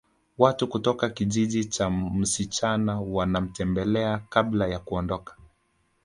Watu kutoka kijiji cha msichana wanamtembelea kabla ya kuondoka